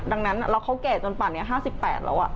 ดังนั้นแล้วเขาแก่จนป่านนี้๕๘แล้ว